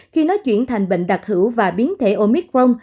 khi nó chuyển thành bệnh đặc hữu và biến thể omicron